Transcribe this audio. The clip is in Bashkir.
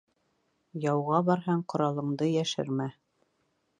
Яуға барһаң, ҡоралыңды йәшермә.